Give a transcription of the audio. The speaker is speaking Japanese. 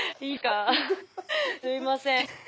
すみません